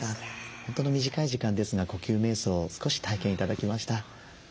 本当に短い時間ですが呼吸めい想を少し体験頂きました。